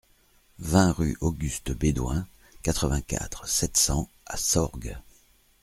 vingt rue Auguste Bédoin, quatre-vingt-quatre, sept cents à Sorgues